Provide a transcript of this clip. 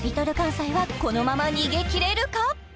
さいはこのまま逃げ切れるか！？